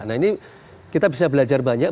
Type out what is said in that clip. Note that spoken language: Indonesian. nah ini kita bisa belajar banyak